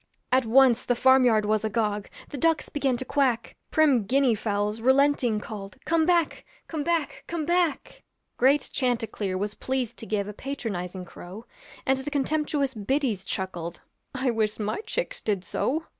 At once the farm yard was agog; The ducks began to quack; Prim Guinea fowls relenting called, 'Come back, come back, come back.' Great chanticleer was pleased to give A patronizing crow, And the contemptuous biddies chuckled, 'I wish my chicks did so.'